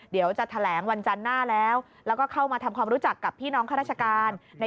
เดี๋ยวจะแถลงวันจันทร์หน้าแล้วแล้วก็เข้ามาทำความรู้จักกับพี่น้องข้าราชการ